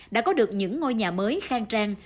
đã có được những ngôi nhà mới khang trang